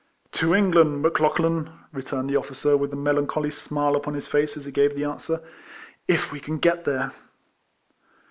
" To Enirland, Mc Lauclilan " returned the officer, with a melancholy smile upon his face, as he gave tlie answer, —" if we can get there.''